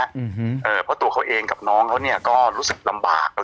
เพราะตัวเขาเองกับน้องเขาเนี่ยก็รู้สึกลำบาก